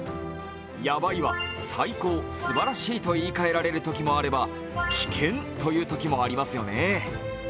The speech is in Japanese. やばいは最高、すばらしいと言いかえられるときもあれば危険というときもありますよね。